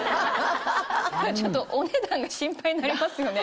ちょっとお値段が心配になりますよね。